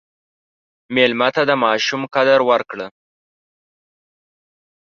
مېلمه ته د ماشوم قدر ورکړه.